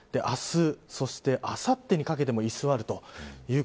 明日、そしてあさってにかけてもいすわると。